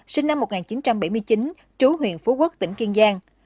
sinh năm một nghìn chín trăm bảy mươi chín trú huyện phú quốc tỉnh kiên giang